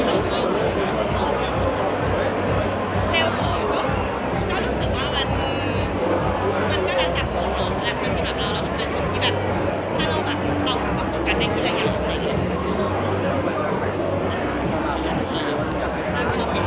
ในจุดจริงถ้าเราก็ได้เข้ามากว่าการที่เราไม่ตอบคือสิ่งที่ทำให้เราสมควรจะต้องระบากใจ